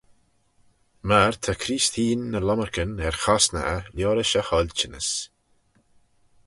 Myr ta Creest hene ny lomarcan er chosney eh liorish e hoilçhinys.